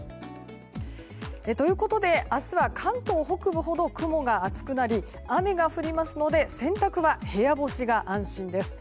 ということで明日は関東北部ほど雲が厚くなり雨が降りますので洗濯は部屋干しが安心です。